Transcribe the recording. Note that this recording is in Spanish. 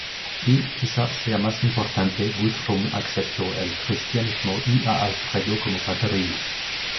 Y, quizá sea más importante, Guthrum aceptó el Cristianismo y a Alfredo como padrino.